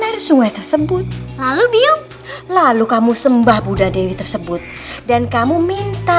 dari sungai tersebut lalu biop lalu kamu sembah buddha dewi tersebut dan kamu minta